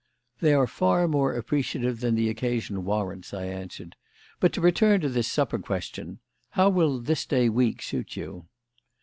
"They are far more appreciative than the occasion warrants," I answered. "But to return to this supper question: how will this day week suit you?"